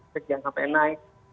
kegiatan sampai naik